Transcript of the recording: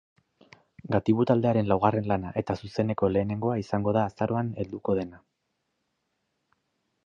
Gatibu taldearen laugarren lana eta zuzeneko lehenengoa izango da azaroan helduko dena.